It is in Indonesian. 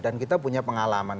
dan kita punya pengalaman